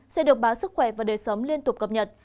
sẽ được báo sức khỏe và đời sống liên tục cập nhật